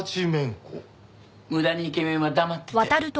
無駄にイケメンは黙ってて。